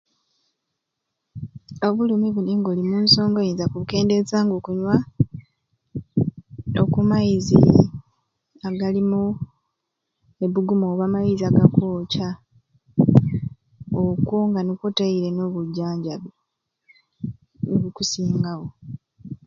Obulimi buni nga oli munsonga oyinza bukendeza nga okunywa oku maizi agali ebbugumu oba aga kwoca okwo nga niko otaire obujjanjjabi obukusingawo